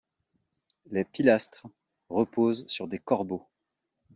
Les pilastres reposent sur des corbeaux.